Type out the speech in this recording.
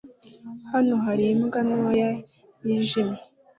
Hano hari imbwa ntoya yijimye.